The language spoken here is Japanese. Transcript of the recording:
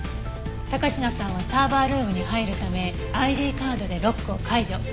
高階さんはサーバールームに入るためＩＤカードでロックを解除。